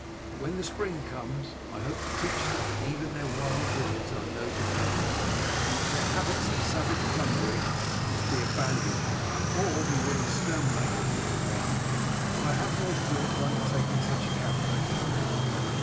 But when the spring comes I hope to teach them that even their wild hills are no defence, and that their habits of savage plundering must be abandoned or we will exterminate them altogether. But I have no thought of undertaking such a campaign now.